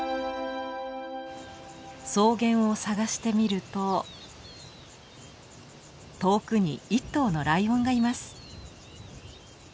草原を探してみると遠くに１頭のライオンがいます。